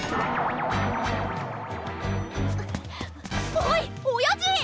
おいおやじ！